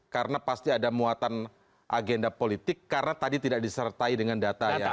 karena pasti ada muatan agenda politik karena tadi tidak disertai dengan data